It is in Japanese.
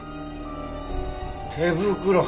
手袋。